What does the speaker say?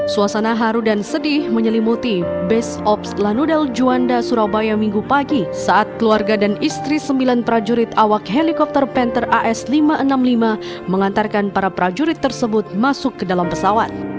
suasana haru dan sedih menyelimuti base ops lanudel juanda surabaya minggu pagi saat keluarga dan istri sembilan prajurit awak helikopter panther as lima ratus enam puluh lima mengantarkan para prajurit tersebut masuk ke dalam pesawat